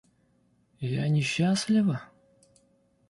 Я несчастлива?